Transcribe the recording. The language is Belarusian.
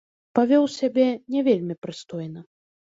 Павёў сябе не вельмі прыстойна.